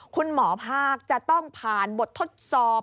คุณหมอภาคจะต้องผ่านบททดสอบ